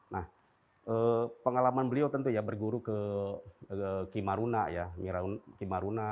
nah pengalaman beliau tentu ya berguru ke kimaruna